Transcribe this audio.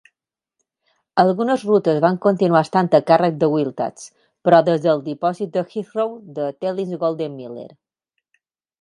Algunes rutes van continuar estant a càrrec de Wiltax, però des del dipòsit de Heathrow de Tellings-Golden Miller.